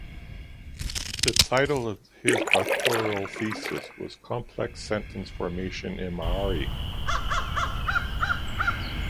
The title of his doctoral thesis was "Complex sentence formation in Maori".